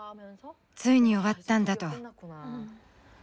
ついに終わったんだ」と。